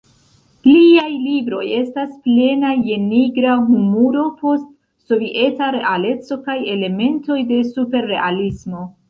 Liaj libroj estas plenaj je nigra humuro, post-sovieta realeco kaj elementoj de superrealismo.